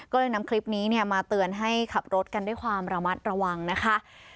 ก็เลยนำคลิปนี้มาเตือนให้ขับรถกันด้วยความระมัดระวังนะคะ